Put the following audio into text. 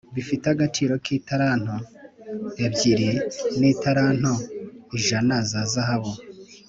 bifite agaciro k italanto ebyiri n italanto ijana za zahabu